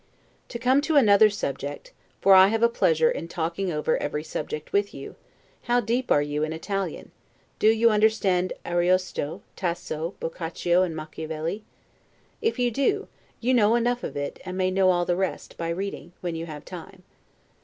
To come to another subject (for I have a pleasure in talking over every subject with you): How deep are you in Italian? Do you understand Ariosto, Tasso, Boccaccio and Machiavelli? If you do, you know enough of it and may know all the rest, by reading, when you have time.